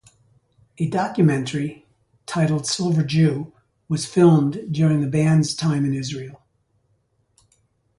A documentary, titled "Silver Jew", was filmed during the band's time in Israel.